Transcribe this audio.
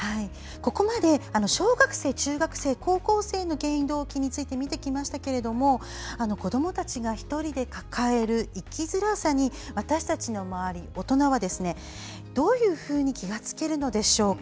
ここまで小学生、中学生高校生の原因・動機について見てきましたけど、子どもたちは１人で抱える生きづらさに私たち周りの大人はどういうふうに気が付けるのでしょうか。